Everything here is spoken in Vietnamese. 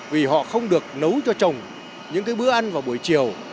vì họ không được nấu cho trồng những bữa ăn vào buổi chiều